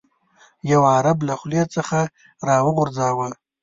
یو عرب له خولې څخه راوغورځاوه.